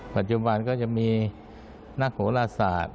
ปัจจุบันก็จะมีนักโหลาศาสตร์